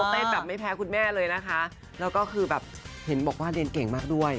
เต้นแบบไม่แพ้คุณแม่เลยนะคะแล้วก็คือแบบเห็นบอกว่าเรียนเก่งมากด้วย